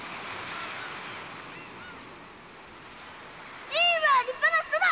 父上は立派な人だ！